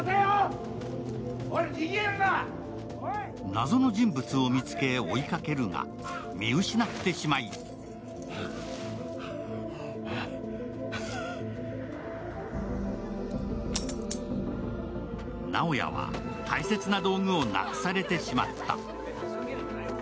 謎の人物を見つけ追いかけるが見失ってしまい直哉は大切な道具をなくされてしまった。